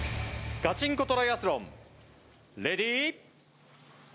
ガチンコトライアスロンレディー。